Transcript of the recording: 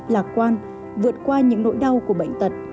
lạc quan vượt qua những nỗi đau của bệnh tật